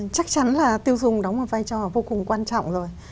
chắc chắn là tiêu dùng đóng một vai trò vô cùng quan trọng rồi